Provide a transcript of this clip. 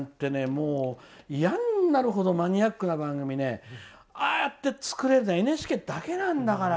もう、いやになるほどマニアックな番組をああやって作れるのはＮＨＫだけなんだから！